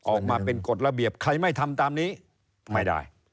ออกมาเป็นกฎระเบียบใครไม่ทำตามนี้ไม่ได้